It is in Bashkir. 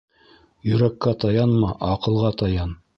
Йөрәккә таянма, аҡылға таян.